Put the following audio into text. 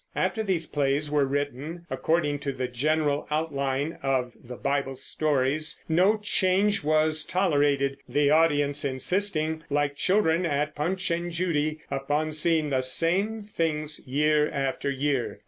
After these plays were written according to the general outline of the Bible stories, no change was tolerated, the audience insisting, like children at "Punch and Judy," upon seeing the same things year after year.